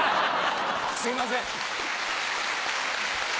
すいません。